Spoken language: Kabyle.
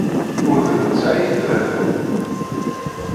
Ur d netta ay d baba-m.